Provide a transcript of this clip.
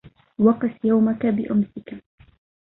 وَقِسْ يَوْمَك بِأَمْسِك